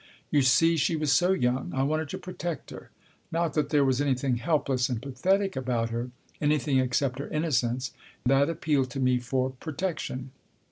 You see, she was so young. I wanted to protect her. Not that there was anything helpless and pathetic about her, anything, except her innocence, that appealed to me for protection.